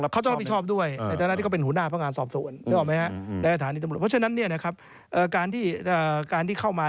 เขามาเป็นจ๊อปนึกออกไหมฮะ